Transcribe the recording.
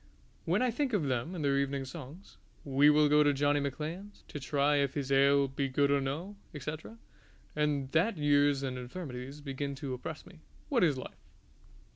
When I think of them and their evening songs We will go to Johnny Macklean's to try if his ale be good or no, etc., and that years and infirmities begin to oppress me What is life!